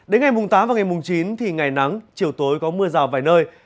đến ngày tám và ngày chín thì ngày nắng chiều tối có mưa rào vài nơi